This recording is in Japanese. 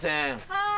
はい。